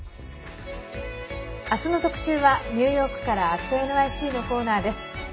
明日の特集はニューヨークから「＠ｎｙｃ」のコーナーです。